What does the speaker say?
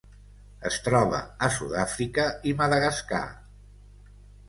Es troba a Sud-àfrica i Madagascar.